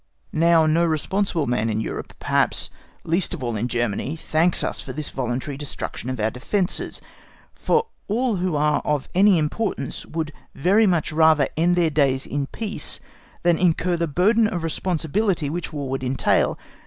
Now no responsible man in Europe, perhaps least of all in Germany, thanks us for this voluntary destruction of our defences, for all who are of any importance would very much rather end their days in peace than incur the burden of responsibility which War would entail.